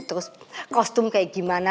terus kostum kayak gimana